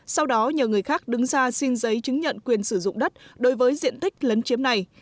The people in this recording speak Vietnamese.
sau đó nhờ người khác đứng ra xin giấy chứng nhận quyền sử dụng đất đối với diện tích lấn chiếm này